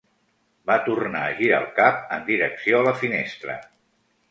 Va tornar a girar el cap en direcció a la finestra.